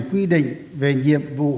quy định về nhiệm vụ